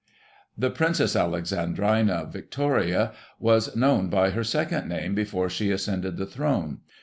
. "The Princess Alexandrina Victoria was known by her second name before she ascended the throne.